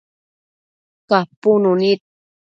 capunu nid